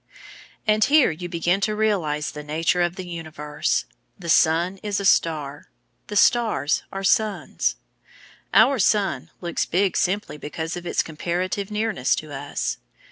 And here you begin to realize the nature of the universe. The sun is a star. The stars are suns. Our sun looks big simply because of its comparative nearness to us.